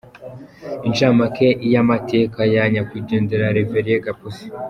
Incamake y’amateka ya nyakwigendera Rev Gapusi.